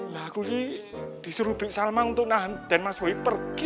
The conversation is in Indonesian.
lagunya disuruh bik salma untuk nahan den mas boy pergi